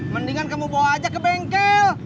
mendingan kamu bawa aja ke bengkel